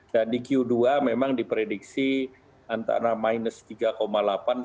dan di q dua memang diprediksi antara minus tiga delapan sampai lima